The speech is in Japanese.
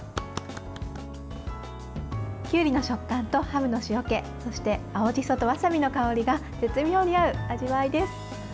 きゅうりの食感とハムの塩気そして青じそとわさびの香りが絶妙に合う味わいです。